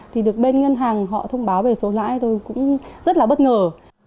thì được bên ngân hàng họ thông báo về số lãi tôi cũng rất là bất ngờ